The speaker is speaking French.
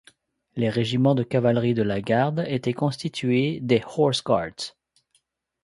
Les régiments de cavalerie de la Garde étant constitués des Horse Guards.